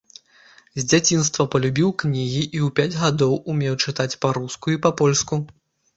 З дзяцінства палюбіў кнігі і ў пяць гадоў умеў чытаць па-руску і па-польску.